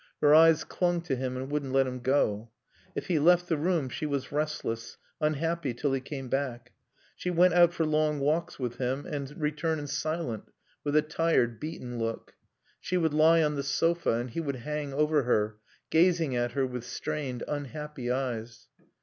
Her eyes clung to him, and wouldn't let him go. If he left the room she was restless, unhappy till he came back. She went out for long walks with him and returned silent, with a tired, beaten look. She would lie on the sofa, and he would hang over her, gazing at her with strained, unhappy eyes.